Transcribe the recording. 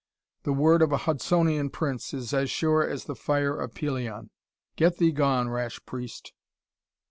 The word of a Hudsonian prince is as sure as the fire of Pelion. Get thee gone, rash priest!"